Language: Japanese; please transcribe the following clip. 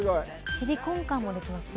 チリコンカンもできます。